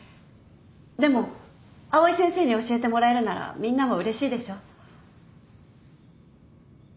でも藍井先生に教えてもらえるならみんなもうれしいでしょ。